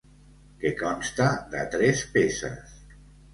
Que consta de tres peces.